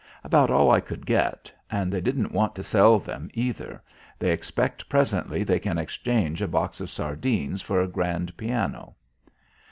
"About all I could get. And they didn't want to sell them either. They expect presently they can exchange a box of sardines for a grand piano."